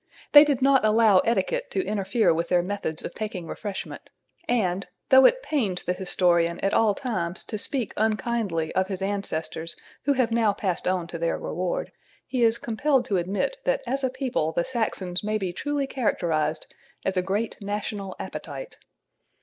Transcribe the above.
They did not allow etiquette to interfere with their methods of taking refreshment, and, though it pains the historian at all times to speak unkindly of his ancestors who have now passed on to their reward, he is compelled to admit that as a people the Saxons may be truly characterized as a great National Appetite.